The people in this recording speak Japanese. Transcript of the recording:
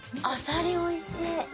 あさり、おいしい！